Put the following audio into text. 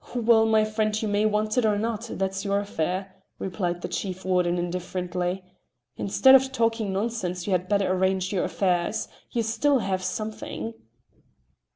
"Well, my friend, you may want it or not, that's your affair," replied the chief warden indifferently. "Instead of talking nonsense, you had better arrange your affairs. You still have something."